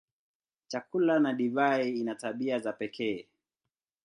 Chakula na divai ina tabia za pekee.